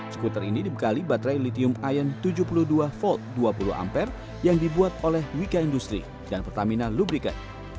skuter ini dibekali baterai litium ion tujuh puluh dua volt dua puluh ampere yang dibuat oleh wika industri dan pertamina lubriket